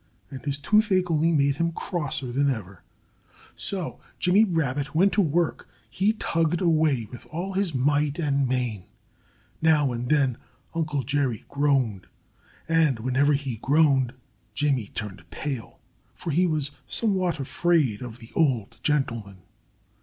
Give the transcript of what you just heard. And his toothache only made him crosser than ever. So Jimmy Rabbit went to work. He tugged away with all his might and main. Now and then Uncle Jerry groaned. And whenever he groaned, Jimmy turned pale. For he was somewhat afraid of the old gentleman.